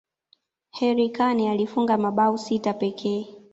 harry kane alifunga mabao sita pekee